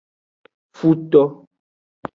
Futo.